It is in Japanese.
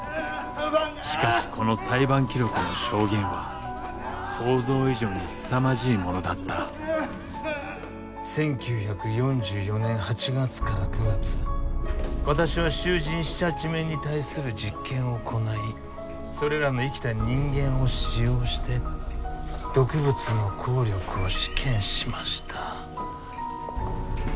しかしこの裁判記録の証言は想像以上にすさまじいものだった「１９４４年８月から９月私は囚人７８名に対する実験を行いそれらの生きた人間を使用して毒物の効力を試験しました」。